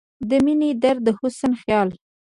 د مينې درده، د حسن خياله